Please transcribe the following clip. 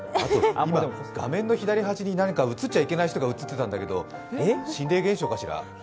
画面の左端に映っちゃいけない人が映っちゃってたんだけど心霊現象かしら？